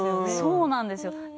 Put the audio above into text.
そうなんですよ。